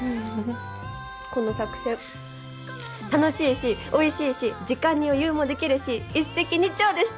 この作戦楽しいしおいしいし時間に余裕もできるし一石二鳥でした。